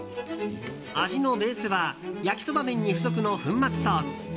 味のベースは焼きそば麺に付属の粉末ソース。